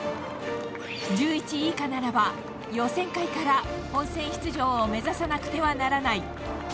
１１位以下ならば、予選会から本戦出場を目指さなくてはならない。